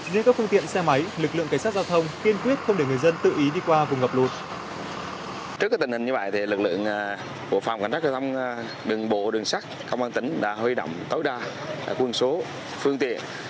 nên các phương tiện xe máy lực lượng cảnh sát giao thông kiên quyết không để người dân tự ý đi qua vùng ngập lụt